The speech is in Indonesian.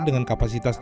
dengan kapasitas dua